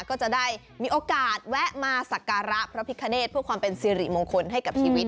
ก็จะได้มีโอกาสแวะมาสักการะพระพิคเนตเพื่อความเป็นสิริมงคลให้กับชีวิต